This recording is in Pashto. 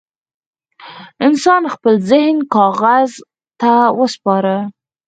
انسان خپل ذهن کاغذ ته وسپاره.